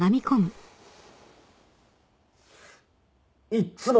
いっつも。